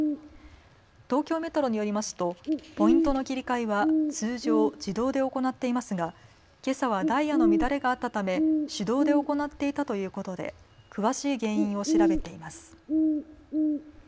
東京メトロによりますとポイントの切り替えは通常、自動で行っていますがけさはダイヤの乱れがあったため手動で行っていたということで詳しい原因を調べています。